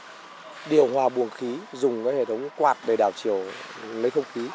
để điều hòa buồng khí dùng cái hệ thống quạt để đảo chiều lấy không khí